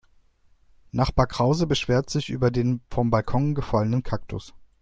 Nachbar Krause beschwerte sich über den vom Balkon gefallenen Kaktus.